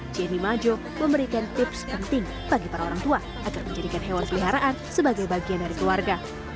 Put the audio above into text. jenny majo memberikan tips penting bagi para orang tua agar menjadikan hewan peliharaan sebagai bagian dari keluarga